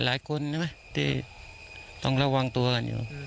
หลายคนใช่ไหมที่ต้องระวังตัวกันอยู่